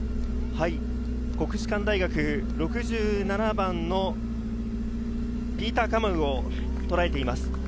国士舘大学、６７番のピーター・カマウをとらえています。